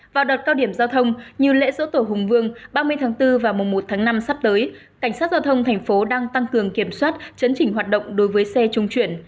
vào đợt cao điểm giao thông như lễ sổ tổ hùng vương ba mươi tháng bốn và mùa một tháng năm sắp tới cảnh sát giao thông thành phố đang tăng cường kiểm soát chấn chỉnh hoạt động đối với xe trung chuyển